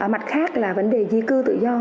mặt khác là vấn đề di cư tự do